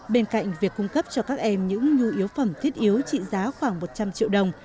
bên cạnh việc cung cấp cho các em những nhu yếu phẩm thiết yếu trị giá khoảng một trăm linh triệu đồng